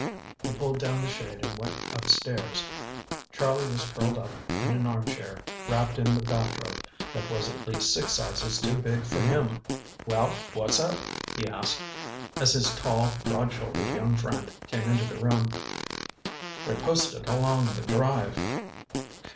He pulled down the shade and went upstairs. Charlie was curled up in an armchair, wrapped in the bathrobe, that was at least six sizes too big for him. "Well, what's up?" he asked, as his tall, broad shouldered young friend came into the room. "They're posted along the drive."